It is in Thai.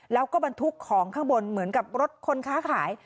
แล้วก็บรรทุกของข้างบนเหมือนกับรถคนค้าขาย